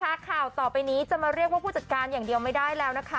ข่าวต่อไปนี้จะมาเรียกว่าผู้จัดการอย่างเดียวไม่ได้แล้วนะคะ